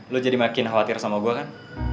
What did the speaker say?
lo jadi makin khawatir sama gue kan